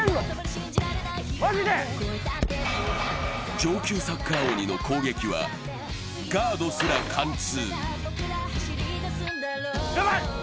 上級サッカー鬼の攻撃はガードすら貫通。